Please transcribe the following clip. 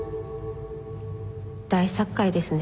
大殺界ですね。